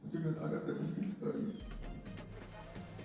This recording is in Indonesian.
dengan anak dan istri saya